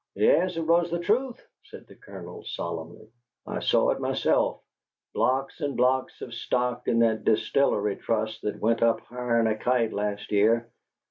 "Yes. It was the truth," said the Colonel, solemnly. "I saw it myself: blocks and blocks of stock in that distillery trust that went up higher'n a kite last year.